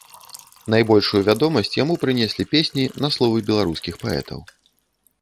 Найбольшую вядомасць яму прынеслі песні на словы беларускіх паэтаў.